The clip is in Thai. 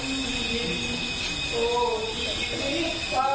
อยากทิ้งต่อจะไหลไป